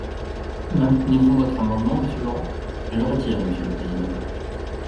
Maintenez-vous votre amendement, monsieur Laurent ? Je le retire, monsieur le président.